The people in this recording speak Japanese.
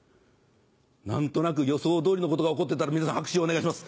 何となく予想通りのことが起こってたら皆さん拍手お願いします